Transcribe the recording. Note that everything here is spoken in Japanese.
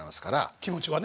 気持ちはね。